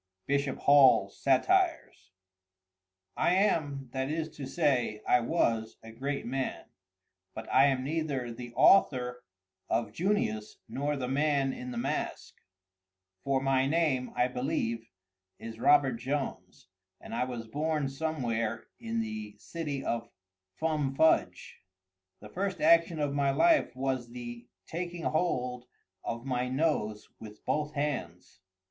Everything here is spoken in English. —Bishop Hall's Satires. I am—that is to say I was—a great man; but I am neither the author of Junius nor the man in the mask; for my name, I believe, is Robert Jones, and I was born somewhere in the city of Fum Fudge. The first action of my life was the taking hold of my nose with both hands.